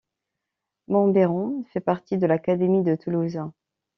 Montberon fait partie de l'académie de Toulouse.